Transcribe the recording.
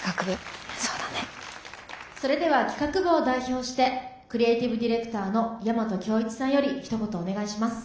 それでは企画部を代表してクリエイティブディレクターの大和響一さんよりひと言お願いします。